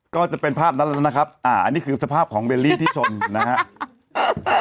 ก็จะเป็นภาพนั้นแล้วนะครับอ่าอันนี้คือสภาพของเบลลี่ที่ชมนะครับ